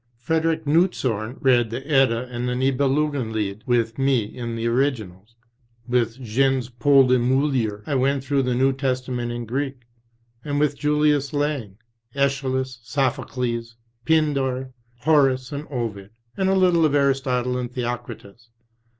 Frederik Nutzhom read the Edda and the Niebelun genlied with me in the originals; with Jens Paludan Muller I went through the New Testament in Greek, and with Ju lius Lange, iEschylus, Sophocles, Pindar, Horace and Ovid, and a little of Aristotle and Theocritus.